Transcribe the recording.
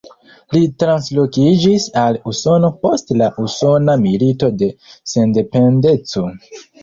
Li translokiĝis al Usono post la Usona Milito de Sendependeco.